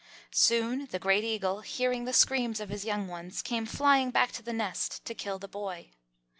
Soon the Great Eagle, hearing the screams of his young ones, came flying back to the nest to kill the boy.